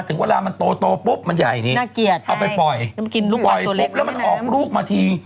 ถึงเวลามันโตปุ๊บมันใหญ่นี้น่าเกลียดเอาไปปล่อยลูกปล่อยปุ๊บแล้วมันออกลูกมาที